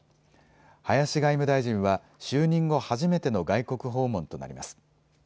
林外務大臣は就任後初めての外国訪問となります。